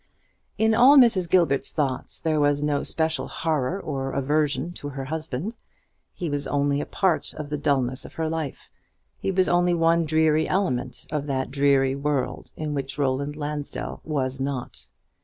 In all Mrs. Gilbert's thoughts there was no special horror or aversion of her husband. He was only a part of the dulness of her life; he was only one dreary element of that dreary world in which Roland Lansdell was not.